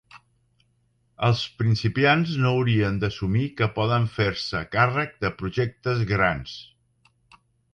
Els principiants no haurien d'assumir que poden fer-se càrrec de projectes grans.